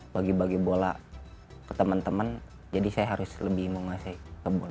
bagi bagi bola ke temen temen jadi saya harus lebih menguasai ke bola